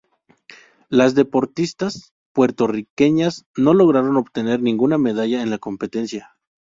Las deportistas puertorriqueñas no lograron obtener ninguna medalla en la competencia.